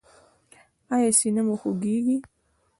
ایا سینه مو خوږیږي؟